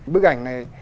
bức ảnh này